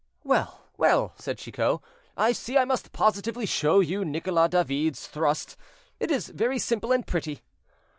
"Well, well," said Chicot, "I see I must positively show you Nicolas David's thrust. It is very simple and pretty."